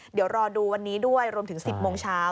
เดี๋ยวรอดูวันนี้ด้วยรวมถึง๑๐โมงเช้า